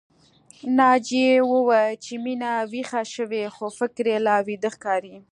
ناجيې وويل چې مينه ويښه شوې خو فکر يې لا ويده ښکاري